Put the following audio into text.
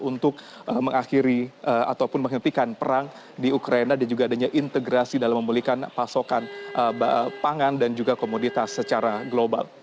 untuk mengakhiri ataupun menghentikan perang di ukraina dan juga adanya integrasi dalam memulihkan pasokan pangan dan juga komoditas secara global